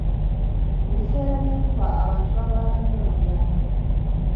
Mu biseera by’enkuba abantu balwala nnyo lubyamira.